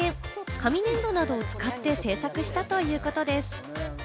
紙粘土などを使って制作したということです。